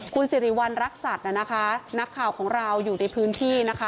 คุณสิริวัณรักษัตริย์นะคะนักข่าวของเราอยู่ในพื้นที่นะคะ